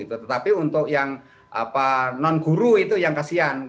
tetapi untuk yang non guru itu yang kasihan